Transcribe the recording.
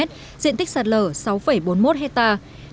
diện tích sạt lở sáu bốn mươi một hectare